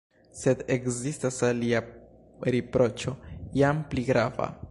Sed ekzistas alia riproĉo, jam pli grava.